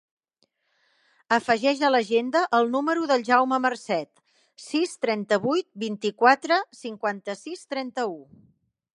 Afegeix a l'agenda el número del Jaume Marcet: sis, trenta-vuit, vint-i-quatre, cinquanta-sis, trenta-u.